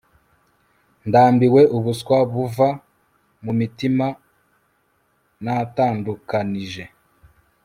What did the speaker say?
ndambiwe ubuswa buva mumitima natandukanije